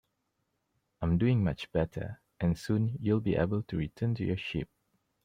I'm doing much better, and soon you'll be able to return to your sheep.